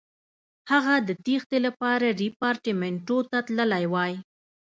هغه د تېښتې لپاره ریپارټیمنټو ته تللی وای.